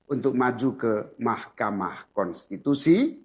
untuk maju ke mahkamah konstitusi